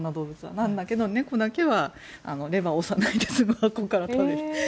なんだけど、猫だけはレバーを押さないで箱から食べる。